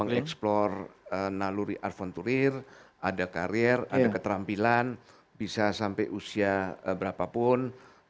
mengeksplor naluri arventurir ada karir ada keterampilan bisa sampai usia berapapun